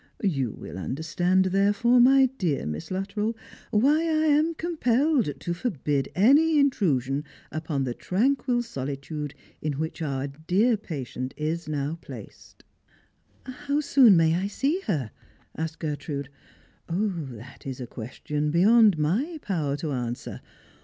You will understand, therefore, my dear Miss Luttrell, why I am compelled to forbid any intrusion upon the tranquil soUtude in which our dear patient is now placed." "How soon may I see her?" asked Gertrude. " That is a question beyond my power to answer.